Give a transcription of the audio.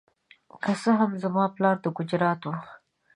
که څه هم زما پلار د ګجرات و.